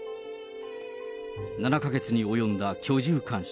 ７か月に及んだ居住監視。